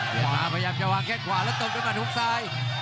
พยายามจะวางแค่ขวาแล้วตกด้วยมันหุ้มซ้าย